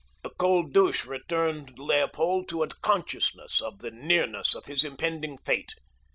The cold douche returned Leopold to a consciousness of the nearness of his impending fate.